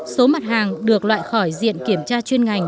số mặt hàng được loại khỏi diện kiểm tra chuyên ngành